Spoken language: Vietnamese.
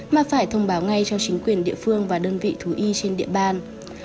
mà phải thông báo ngay cho chính quyền địa phương và đơn vị thú y trên địa bàn